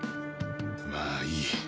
まぁいい